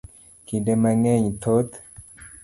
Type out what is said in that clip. Kinde mang'eny thoth